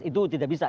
itu tidak bisa